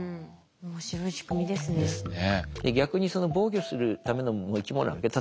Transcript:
面白い仕組みですね。ですね。